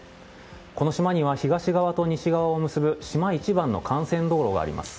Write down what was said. この島には東側と西側を結ぶ島一番の幹線道路があります。